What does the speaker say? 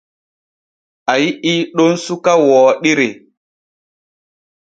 A yi’ii ɗon suka wooɗiri.